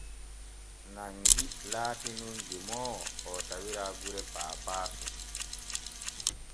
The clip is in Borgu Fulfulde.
Nangi laati nun demoowo o tawira gure Paapaaso.